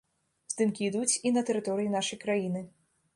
Здымкі ідуць і на тэрыторыі нашай краіны.